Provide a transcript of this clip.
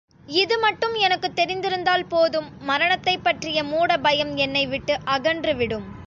இது மட்டும் எனக்குத் தெரிந்திருந்தால் போதும் மரணத்தைப் பற்றிய மூட பயம் என்னை விட்டு அகன்று விடும்.